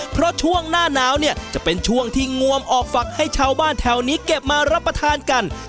เพราะช่วงหน้าหนาวเนี่ยจะเป็นช่วงที่งวมออกฝักให้ชาวบ้านแถวนี้เก็บมารับประทานกัน